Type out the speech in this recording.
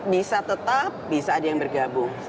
bisa tetap bisa ada yang bergabung